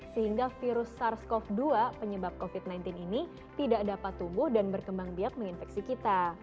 sehingga virus sars cov dua penyebab covid sembilan belas ini tidak dapat tumbuh dan berkembang biak menginfeksi kita